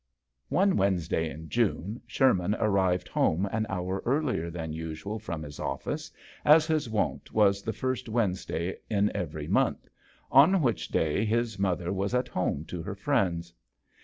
JNE Wednesday in June Sherman arrived home an hour earlier than usual from his office, as his wont was the first Wednesday in every month, on which day his mother was at home to her friends.